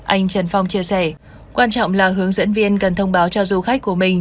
anh trần phong chia sẻ quan trọng là hướng dẫn viên cần thông báo cho du khách của mình